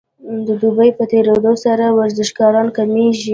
د دوبي په تیریدو سره ورزشکاران کمیږي